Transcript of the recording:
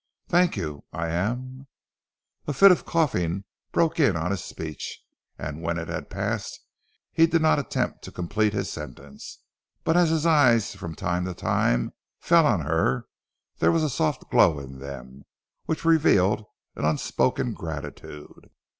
"Thank you. I am " A fit of coughing broke in on his speech, and when it had passed he did not attempt to complete his sentence, but as his eyes from time to time fell on her there was a soft glow in them, which revealed an unspoken gratitude.